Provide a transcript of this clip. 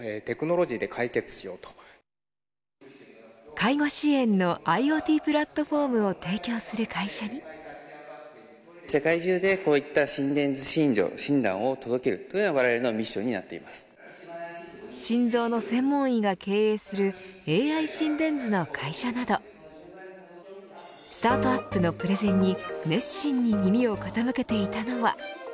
介護支援のＩｏＴプラットフォームを心臓の専門医が経営するＡＩ心電図の会社などスタートアップのプレゼンに熱心に耳を傾けていたのは。